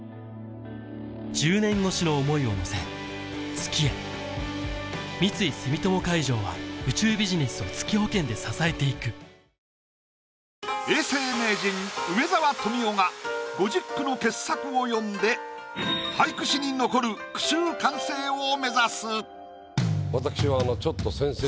年越しの想いを乗せ月へ三井住友海上は宇宙ビジネスを月保険で支えていく永世名人梅沢富美男が５０句の傑作を詠んで俳句史に残る句集完成を目指す。